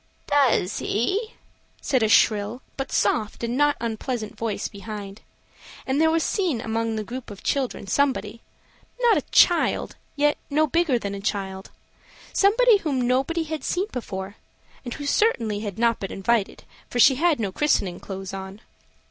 "Does he?" said a shrill but soft and not unpleasant voice behind; and there was seen among the group of children somebody, not a child, yet no bigger than a child, somebody whom nobody had seen before, and who certainly had not been invited, for she had no christening clothes on.